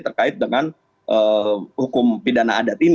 terkait dengan hukum pidana adat ini